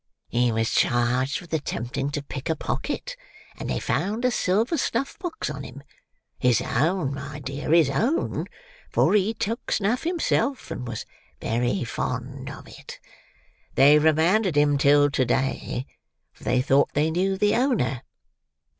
He was charged with attempting to pick a pocket, and they found a silver snuff box on him,—his own, my dear, his own, for he took snuff himself, and was very fond of it. They remanded him till to day, for they thought they knew the owner.